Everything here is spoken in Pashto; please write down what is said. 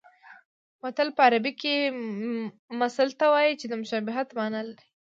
متل په عربي کې مثل ته وایي چې د مشابهت مانا لري